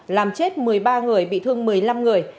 làm chết một mươi ba người bị thương một mươi năm người